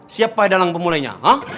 siapa adalah pemulainya